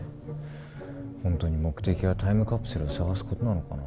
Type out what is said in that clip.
ホントに目的はタイムカプセルを捜すことなのかな。